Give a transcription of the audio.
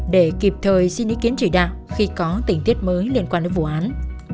để kịp thời xin ý kiến chỉ đạo khi có tình tiết mới liên quan đến vụ án